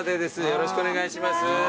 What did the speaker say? よろしくお願いします。